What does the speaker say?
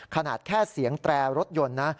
ขนาดแค่เสียงแตรรถยนต์นะ